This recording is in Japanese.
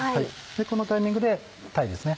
このタイミングで鯛ですね